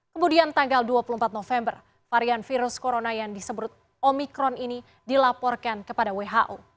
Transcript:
kemudian tanggal dua puluh empat november varian virus corona yang disebut omikron ini dilaporkan kepada who